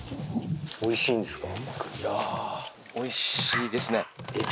おいしいんですか？